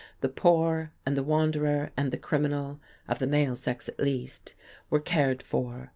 The poor and the wanderer and the criminal (of the male sex at least) were cared for.